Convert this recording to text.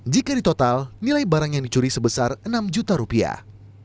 jika di total nilai barang yang dicuri sebesar enam juta rupiah